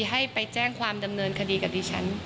ให้ไปแจ้งความดำเนินคดีกับดิฉัน